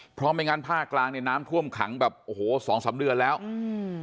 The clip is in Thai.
เพราะไม่งั้นภาคกลางเนี่ยน้ำท่วมขังแบบโอ้โหสองสามเดือนแล้วอืม